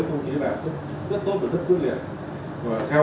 công chí là rất tốt và rất quyết liệt